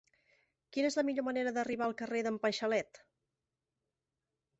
Quina és la millor manera d'arribar al carrer d'en Paixalet?